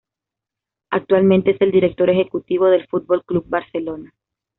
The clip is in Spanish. Actualmente es el director ejecutivo del Fútbol Club Barcelona.